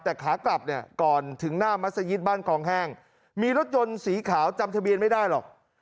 แต่ขากลับเนี่ยก่อนถึงหน้ามัศยิตบ้านคลองแห้งมีรถยนต์สีขาวจำทะเบียนไม่ได้หรอก